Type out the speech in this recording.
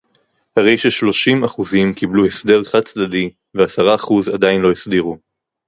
הרי ששלושים אחוזים קיבלו הסדר חד-צדדי ועשרה אחוז עדיין לא הסדירו